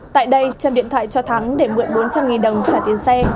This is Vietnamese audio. tại đây trâm điện thoại cho thắng để mượn bốn trăm linh đồng trả tiền xe